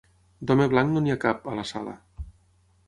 D'home blanc no n'hi ha cap, a la sala.